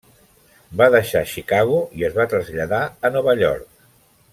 Va deixar Chicago i es va traslladar a Nova York.